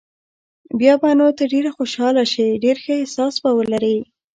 بیا به نو ته ډېر خوشاله شې، ډېر ښه احساس به ولرې.